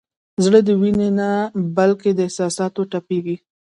زړه د وینې نه بلکې احساساتو تپېږي.